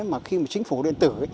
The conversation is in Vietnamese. mà khi mà chính phủ điện tử